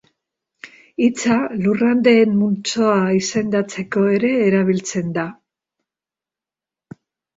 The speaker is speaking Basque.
Hitza lurraldeen multzoa izendatzeko ere erabiltzen da.